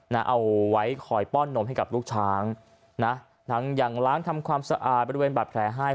เอาไว้คอยป้อนนมให้กับลูกช้างนะทั้งยังล้างทำความสะอาดบริเวณบาดแผลให้